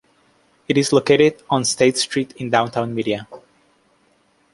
It is located on State Street in Downtown Media.